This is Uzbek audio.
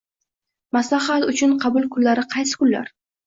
Maslahat uchun qabul kunlari qaysi kunlar?